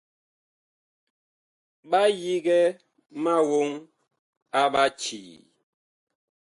Ɓa yigɛ ma woŋ a Ɓacii.